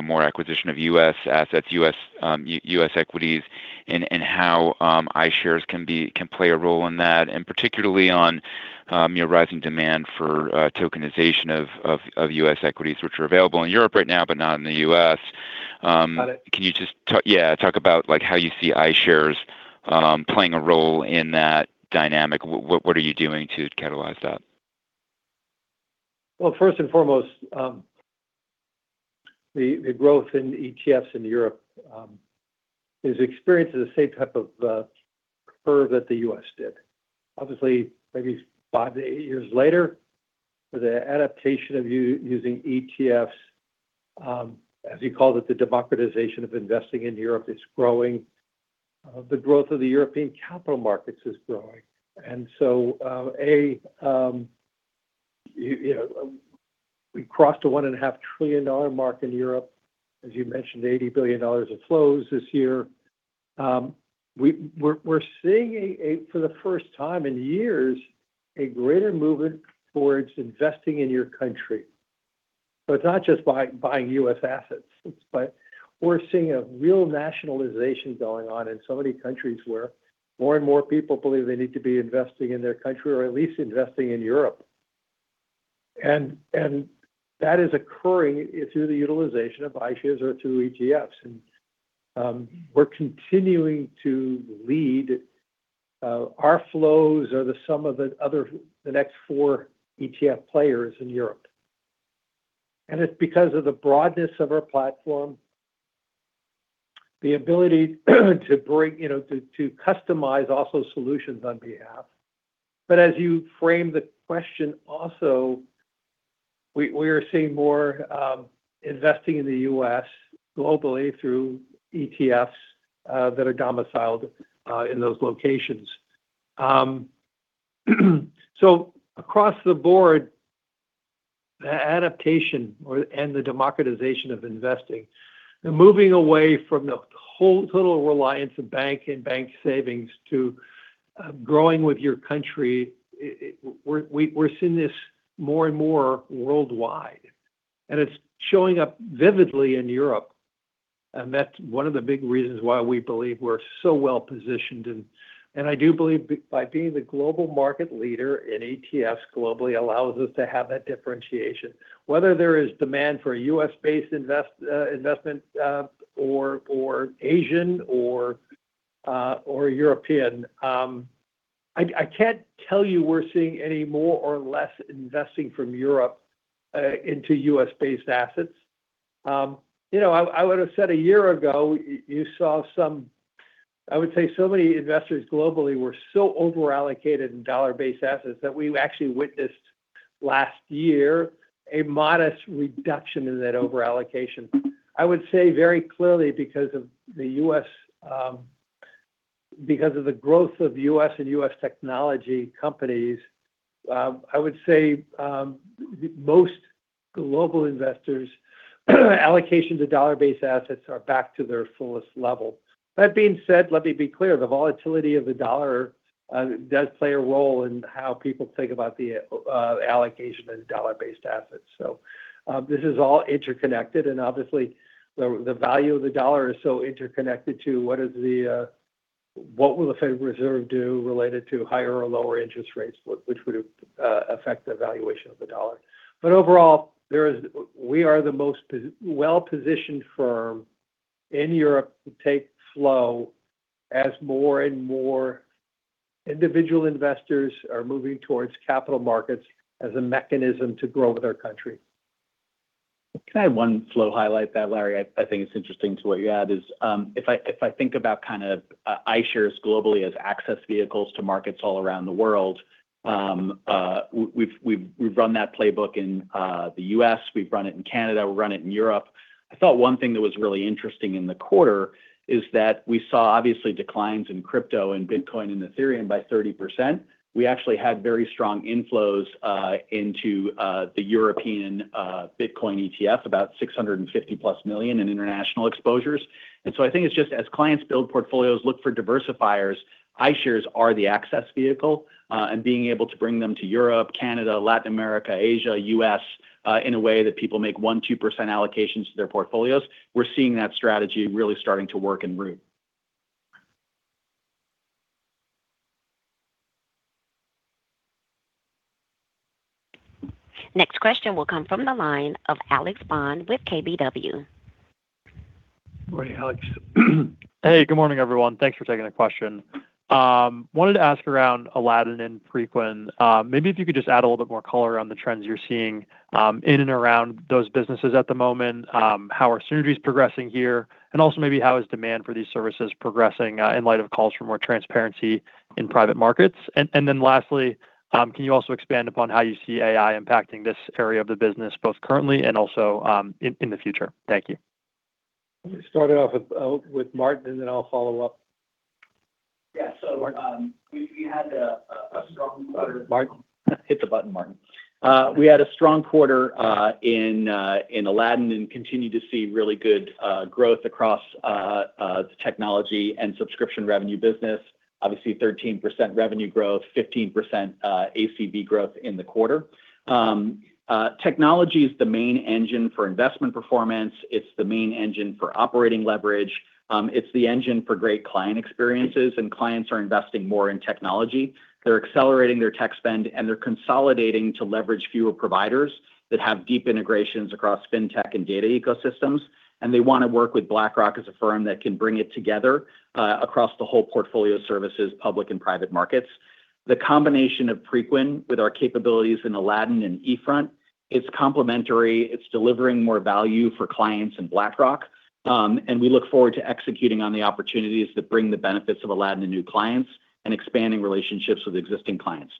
more acquisition of U.S. assets, U.S. equities, and how iShares can play a role in that, and particularly on rising demand for tokenization of U.S. equities, which are available in Europe right now, but not in the U.S.? Got it. Can you just, yeah, talk about how you see iShares playing a role in that dynamic? What are you doing to catalyze that? Well, first and foremost, the growth in ETFs in Europe is experiencing the same type of curve that the U.S. did. Obviously, maybe five to eight years later, the adaptation of using ETFs, as you called it, the democratization of investing in Europe, it's growing. The growth of the European capital markets is growing. We crossed a $1.5 trillion mark in Europe. As you mentioned, $80 billion of flows this year. We're seeing, for the first time in years, a greater movement towards investing in your country. It's not just buying U.S. assets, but we're seeing a real nationalization going on in so many countries where more and more people believe they need to be investing in their country or at least investing in Europe. That is occurring through the utilization of iShares or through ETFs. We're continuing to lead. Our flows are the sum of the next four ETF players in Europe. It's because of the broadness of our platform, the ability to customize also solutions on behalf. As you frame the question also, we are seeing more investing in the U.S. globally through ETFs that are domiciled in those locations. Across the board, the adaptation and the democratization of investing, the moving away from the total reliance of bank and bank savings to growing with your country, we're seeing this more and more worldwide, and it's showing up vividly in Europe, and that's one of the big reasons why we believe we're so well positioned. I do believe by being the global market leader in ETFs globally allows us to have that differentiation. Whether there is demand for a U.S.-based investment or Asian or European, I can't tell you we're seeing any more or less investing from Europe into U.S.-based assets. I would've said a year ago, I would say so many investors globally were so over-allocated in dollar-based assets that we actually witnessed last year, a modest reduction in that over-allocation. I would say very clearly because of the growth of U.S. and U.S. technology companies, I would say most global investors' allocation to dollar-based assets are back to their fullest level. That being said, let me be clear, the volatility of the dollar does play a role in how people think about the allocation of dollar-based assets. This is all interconnected, and obviously the value of the dollar is so interconnected to what will the Federal Reserve do related to higher or lower interest rates, which would affect the valuation of the dollar. Overall, we are the most well-positioned firm in Europe to take flow as more and more individual investors are moving towards capital markets as a mechanism to grow their country. Can I have one flow highlight that, Larry? I think it's interesting to what you add is, if I think about iShares globally as access vehicles to markets all around the world, we've run that playbook in the U.S., we've run it in Canada, we run it in Europe. I thought one thing that was really interesting in the quarter is that we saw obviously declines in crypto, in Bitcoin and Ethereum by 30%. We actually had very strong inflows into the European Bitcoin ETF, about $650+ million in international exposures. I think it's just as clients build portfolios, look for diversifiers, iShares are the access vehicle. Being able to bring them to Europe, Canada, Latin America, Asia, U.S., in a way that people make 1%, 2% allocations to their portfolios. We're seeing that strategy really starting to work and root. Next question will come from the line of Alex Bond with KBW. Morning, Alex. Hey, good morning, everyone. Thanks for taking the question. Wanted to ask around Aladdin and Preqin. Maybe if you could just add a little bit more color on the trends you're seeing in and around those businesses at the moment. How are synergies progressing here? Also maybe how is demand for these services progressing in light of calls for more transparency in private markets? Lastly, can you also expand upon how you see AI impacting this area of the business, both currently and also in the future? Thank you. Let me start it off with Martin, and then I'll follow up. Yeah. We had a strong quarter. Martin. Hit the button, Martin. We had a strong quarter in Aladdin and continue to see really good growth across the technology and subscription revenue business. Obviously 13% revenue growth, 15% ACV growth in the quarter. Technology is the main engine for investment performance. It's the main engine for operating leverage. It's the engine for great client experiences, and clients are investing more in technology. They're accelerating their tech spend, and they're consolidating to leverage fewer providers that have deep integrations across fintech and data ecosystems. They want to work with BlackRock as a firm that can bring it together across the whole portfolio of services, public and private markets. The combination of Preqin with our capabilities in Aladdin and eFront, it's complementary. It's delivering more value for clients and BlackRock. We look forward to executing on the opportunities that bring the benefits of Aladdin to new clients and expanding relationships with existing clients.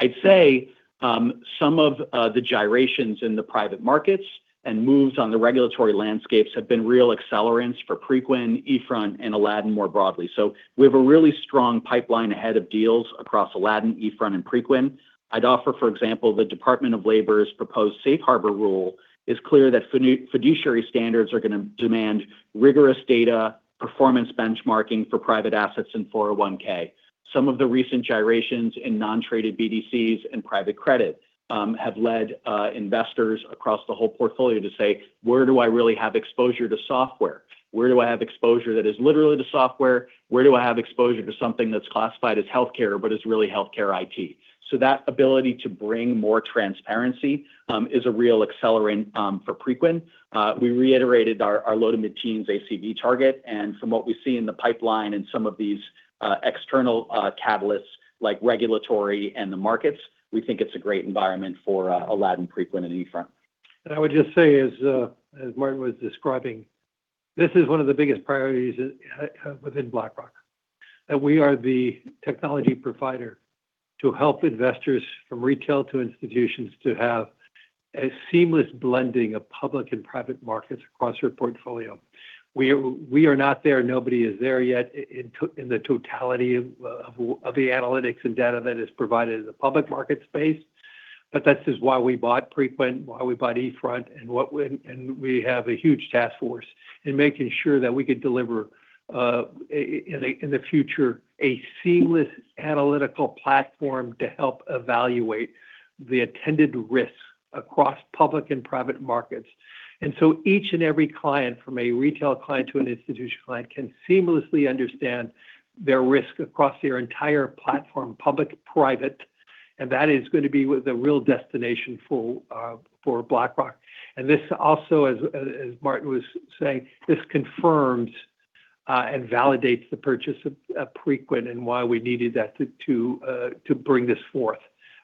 I'd say some of the gyrations in the private markets and moves on the regulatory landscapes have been real accelerants for Preqin, eFront and Aladdin more broadly. We have a really strong pipeline ahead of deals across Aladdin, eFront and Preqin. I'd offer, for example, the Department of Labor's proposed Safe Harbor rule is clear that fiduciary standards are going to demand rigorous data performance benchmarking for private assets in 401(k). Some of the recent gyrations in non-traded BDCs and private credit have led investors across the whole portfolio to say, "Where do I really have exposure to software? Where do I have exposure that is literally to software? Where do I have exposure to something that's classified as healthcare but is really healthcare IT?" That ability to bring more transparency is a real accelerant for Preqin. We reiterated our low to mid-teens ACV target, from what we see in the pipeline and some of these external catalysts like regulatory and the markets, we think it's a great environment for Aladdin, Preqin and eFront. I would just say as Martin was describing, this is one of the biggest priorities within BlackRock. That we are the technology provider to help investors from retail to institutions to have a seamless blending of public and private markets across their portfolio. We are not there. Nobody is there yet in the totality of the analytics and data that is provided in the public market space. This is why we bought Preqin, why we bought eFront, and we have a huge task force in making sure that we could deliver, in the future, a seamless analytical platform to help evaluate the attended risks across public and private markets. Each and every client, from a retail client to an institutional client, can seamlessly understand their risk across their entire platform, public, private, and that is going to be the real destination for BlackRock. This also, as Martin was saying, this confirms and validates the purchase of Preqin and why we needed that to bring this forth.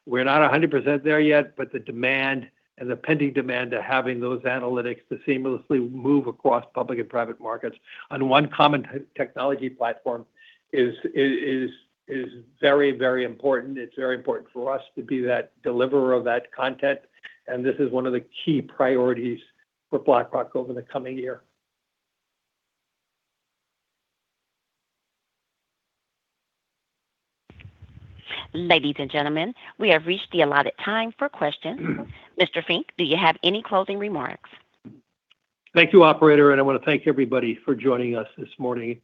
We're not 100% there yet, but the demand and the pending demand to having those analytics to seamlessly move across public and private markets on one common technology platform is very, very important. It's very important for us to be that deliverer of that content, and this is one of the key priorities for BlackRock over the coming year. Ladies and gentlemen, we have reached the allotted time for questions. Mr. Fink, do you have any closing remarks? Thank you, operator, and I want to thank everybody for joining us this morning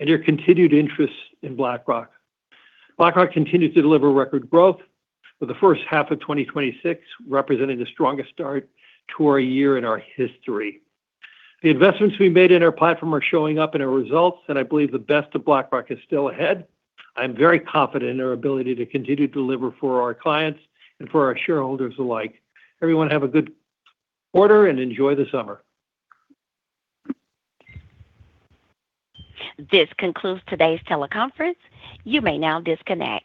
and your continued interest in BlackRock. BlackRock continues to deliver record growth for the first half of 2026, representing the strongest start to our year in our history. The investments we made in our platform are showing up in our results, and I believe the best of BlackRock is still ahead. I'm very confident in our ability to continue to deliver for our clients and for our shareholders alike. Everyone have a good quarter and enjoy the summer. This concludes today's teleconference. You may now disconnect.